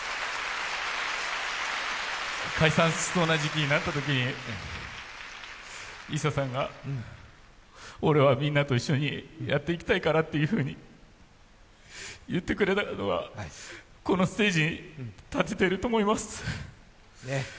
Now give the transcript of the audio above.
解散しそうな時期になったときにＩＳＳＡさんが俺はみんなと一緒にやっていきたいからと言ってくれたことからこのステージに立ててると思います。